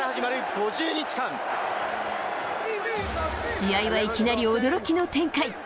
試合はいきなり驚きの展開。